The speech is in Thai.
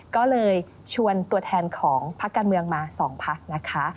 ก็เลยชวนตัวแทนของพักการเมืองมา๒พักนะคะ